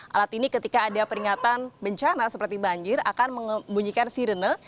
alat ini ketika ada peringatan bencana seperti banjir akan membunyikan sirene